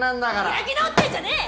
開き直ってるんじゃねえ！